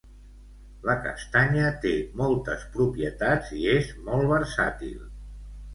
La castanya té moltes propietats i és molt versàtil.